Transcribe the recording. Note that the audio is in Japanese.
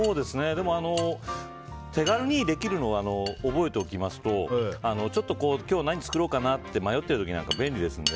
でも、手軽にできるのを覚えておきますとちょっと今日、何作ろうかなって迷っている時に便利ですので。